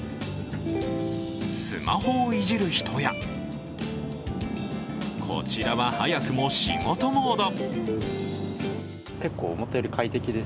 スマホをいじる人やこちらは、早くも仕事モード。